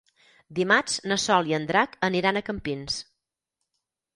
Dimarts na Sol i en Drac aniran a Campins.